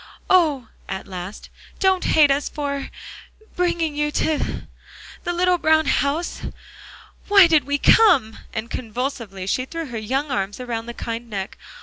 "Oh!" at last, "don't hate us for bringing you to the little brown house. Why did we come!" And convulsively she threw her young arms around the kind neck.